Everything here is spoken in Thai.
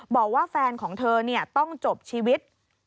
บอกว่าแฟนของเธอต้องจบชีวิต